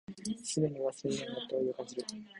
すぐに忘れるようになって老いを感じる